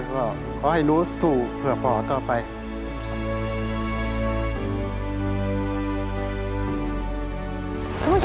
ที่เรานักใจอยู่